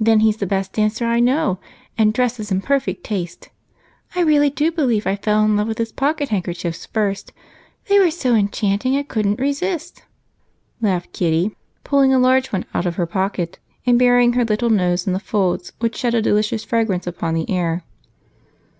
Then he's the best dancer I know and dresses in perfect taste. I really do believe I fell in love with his pocket handkerchiefs first, they were so enchanting I couldn't resist," laughed Kitty, pulling a large one out of her pocket and burying her little nose in the folds, which shed a delicious fragrance upon the air.